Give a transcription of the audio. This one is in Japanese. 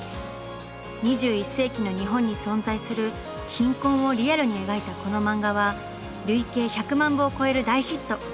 ２１世紀の日本に存在する「貧困」をリアルに描いたこの漫画は累計１００万部を超える大ヒット。